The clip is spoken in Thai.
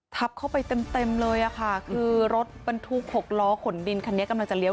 ทับเข้าไปเต็มเต็มเลยอะค่ะคือรถบรรทุกหกล้อขนดินคันนี้กำลังจะเลี้ย